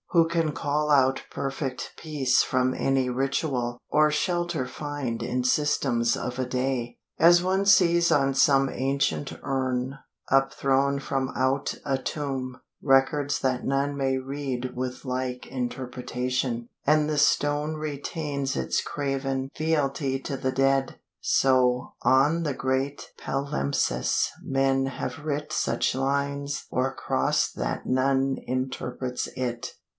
Who can call Out perfect peace from any ritual, Or shelter find in systems of a day? As one sees on some ancient urn, upthrown From out a tomb, records that none may read With like interpretation, and the stone Retains its graven fealty to the dead: So, on the great palimpsest men have writ Such lines o'ercrossed that none interprets it.